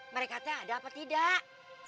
mereka teh ada apa tidak